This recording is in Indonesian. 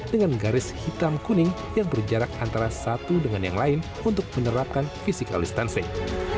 dengan garis hitam kuning yang berjarak antara satu dengan yang lain untuk menerapkan physical distancing